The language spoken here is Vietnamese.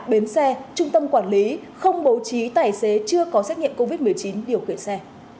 bến xe trung tâm quản lý không bố trí tài xế chưa có xét nghiệm covid một mươi chín điều khiển xe